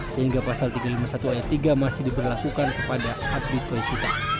sehingga pasal tiga ratus lima puluh satu ayat tiga masih diberlakukan kepada habib risita